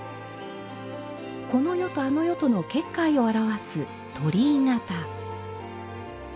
この世とあの世との結界を表す「鳥居形」。